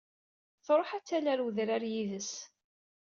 Tṛuḥ ad tali ar wedrar yid-s.